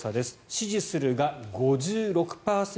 支持するが５６％。